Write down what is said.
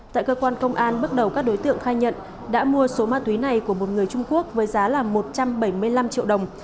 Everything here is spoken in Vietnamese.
tại cơ quan công an bước đầu các đối tượng khai nhận đã mua số ma túy này của một người trung quốc với giá là một trăm bảy mươi năm triệu đồng